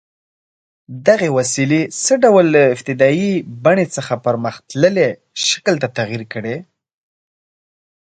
دغې وسیلې څه ډول له ابتدايي بڼې څخه پرمختللي شکل ته تغییر کړی؟